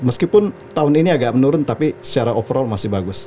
meskipun tahun ini agak menurun tapi secara overall masih bagus